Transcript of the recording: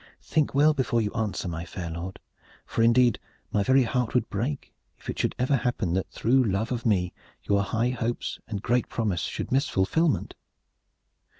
Think well before you answer, my fair lord, for indeed my very heart would break if it should ever happen that through love of me your high hopes and great promise should miss fulfilment."